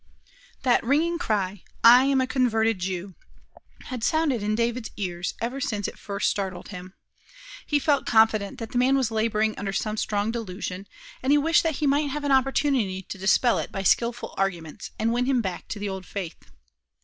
That ringing cry, "I am a converted Jew," had sounded in David's ears ever since it first startled him. He felt confident that the man was laboring under some strong delusion, and he wished that he might have an opportunity to dispel it by skillful arguments, and win him back to the old faith.